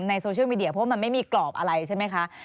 โซเชียลมีเดียเพราะมันไม่มีกรอบอะไรใช่ไหมคะ